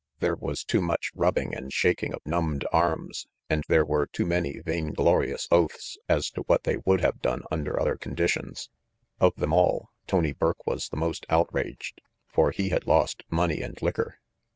There was too much rubbing and shaking of numbed arms, and there were too many vainglorious oaths as to what they would have done under other con ditions. Of them all, Tony Burke was the most outraged, for he had lost money and liquor.